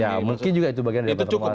ya mungkin juga itu bagian dari pertemuan